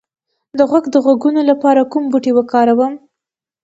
د غوږ د غږونو لپاره کوم بوټی وکاروم؟